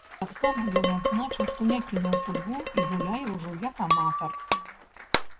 Таксама ён адзначаў, што не кінуў футбол і гуляе ўжо як аматар.